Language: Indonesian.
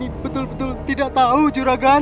ini betul betul tidak tahu juragan